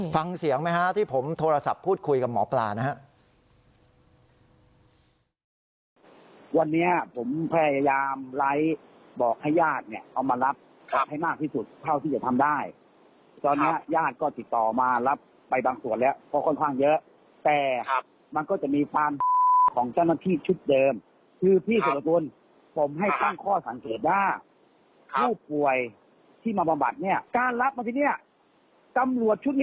ฟังเสียงไหมฮะที่ผมโทรศัพท์พูดคุยกับหมอปลานะฮะ